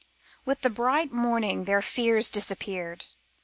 With the bright morning their fears disappeared.